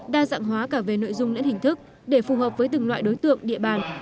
đa dạng hóa cả về nội dung lẫn hình thức để phù hợp với từng loại đối tượng địa bàn